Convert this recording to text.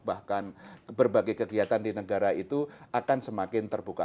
bahkan berbagai kegiatan di negara itu akan semakin terbuka